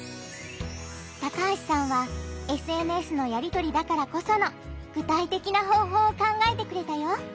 高橋さんはＳＮＳのやりとりだからこその具体的な方法を考えてくれたよ！